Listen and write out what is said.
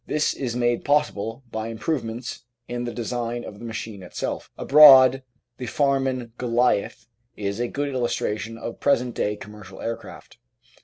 This is made possible by improvements in the design of the machine itself. Abroad, the Farman "Goliath" is a good illustration of present day commercial aircraft.